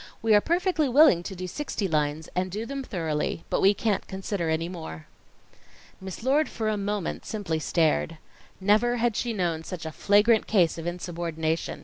We are perfectly willing to do sixty lines, and do them thoroughly, but we can't consider any more." Miss Lord for a moment simply stared. Never had she known such a flagrant case of insubordination.